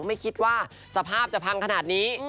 ไม่คิดว่าสภาพจะพังขนาดนี้